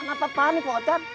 kenapa panik mang ochar